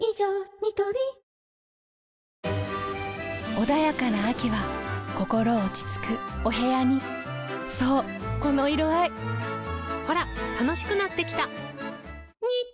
ニトリ穏やかな秋は心落ち着くお部屋にそうこの色合いほら楽しくなってきた！